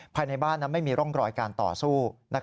ภายในบ้านนั้นไม่มีร่องรอยการต่อสู้